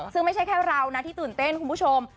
ซึ่งไม่ใช่แค่เรานะที่ตื่นเต้นคุณผู้ชม